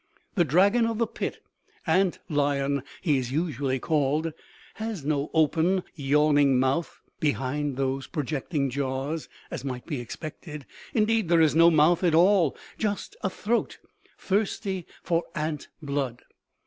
The dragon of the pit, ant lion he is usually called, has no open, yawning mouth behind those projecting jaws, as might be expected. Indeed there is no mouth at all, just a throat, thirsty for ant blood!